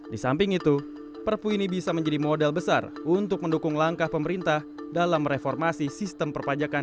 di samping itu perpu ini bisa menjadi modal besar untuk mendukung langkah pemerintah dalam reformasi sistem perpajakan